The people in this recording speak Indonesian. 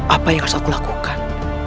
apa yang harus aku lakukan